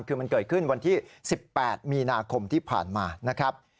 คือมันเกิดขึ้นวันที่๑๘มีนาคมที่ผ่านมานะครับ